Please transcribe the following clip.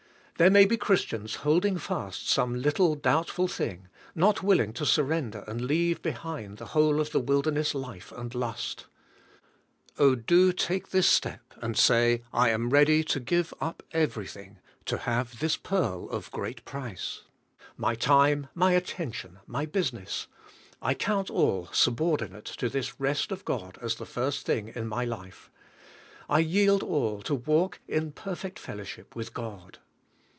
There may be Christians holding fast some little doubtful thing, not willing to surrender and leave behind the whole of the wilderness life and lust. Oh, do take this step and say: "I am ready to give up everything to have this pearl of great price; my time, my attention, my business, I count all subor dinate to this rest of God as the first thing in my ENTRANCE INTO REST 67 life; I yield all to walk in perfect fellowship with God."